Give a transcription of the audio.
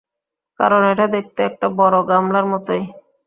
কারণ এটা দেখতে একটা বড় গামলার মতই।